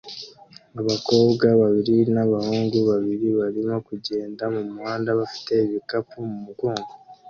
Abakobwa babiri n'abahungu babiri barimo kugenda mumuhanda bafite ibikapu mu mugongo